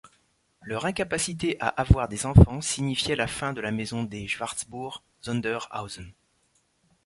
Leur incapacité à avoir des enfants signifiait la fin de la Maison de Schwarzbourg-Sondershausen.